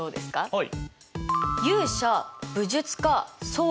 はい。